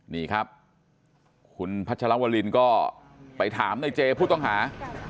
นี่ครับคุณพัชรวรินก็ไปถามในเจผู้ต้องหา